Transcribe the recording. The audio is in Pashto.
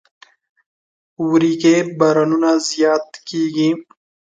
وری کې بارانونه زیات کیږي.